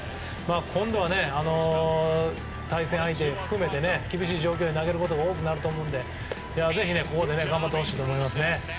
今度は対戦相手含めて厳しい状況で投げることが多くなると思うのでぜひ、ここで頑張ってほしいと思います。